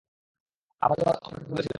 আমার জন্য অপেক্ষা করতে বলেছিলাম।